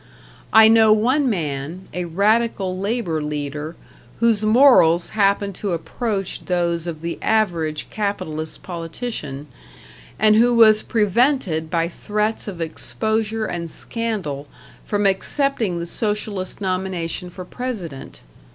I know one man, a radical labor leader, whose morals happened to approach those of the average capitalist politician, and who was prevented by threats of exposure and scandal from accepting the Socialist nomination for President.